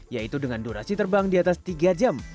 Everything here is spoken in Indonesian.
yaitu dengan durasi terbang di atas tiga jam